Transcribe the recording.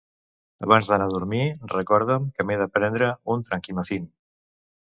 Abans d'anar a dormir recorda'm que m'he de prendre un Trankimazin.